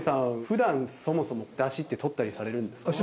普段そもそもダシってとったりされるんですか？